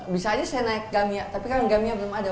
bisa aja saya naik gamia tapi kan gamia belum ada